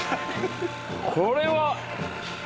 これは。